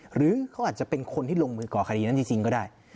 หรือเขาอาจจะเป็นคนที่ลงมือก่อคดีนั้นจริงก็ได้